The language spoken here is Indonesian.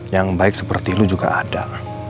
yang baik seperti lu juga ada